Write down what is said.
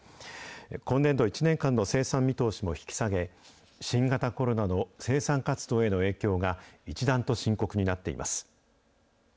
今年度１年間の生産見通しも引き下げ、新型コロナの生産活動への影響が、一段と深刻になっています。